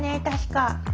確か。